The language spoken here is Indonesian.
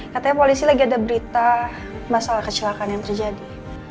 katanya polisi lagi ada berita masalah kecelakaan yang terjadi